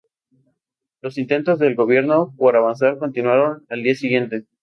Los intentos del gobierno por avanzar continuaron al día siguiente.